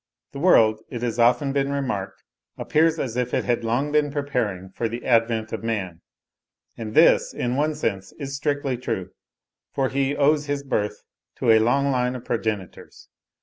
The world, it has often been remarked, appears as if it had long been preparing for the advent of man: and this, in one sense is strictly true, for he owes his birth to a long line of progenitors.